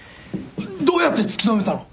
どうやって突き止めたの！？